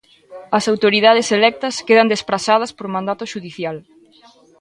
As autoridades electas quedan desprazadas por mandato xudicial.